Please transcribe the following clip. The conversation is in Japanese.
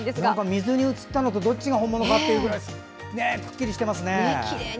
水に映ったのとどっちが本物かっていうぐらいくっきりしてますね。